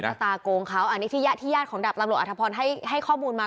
ชะตาโกงเขาอันนี้ที่ญาติของดาบตำรวจอธพรให้ข้อมูลมา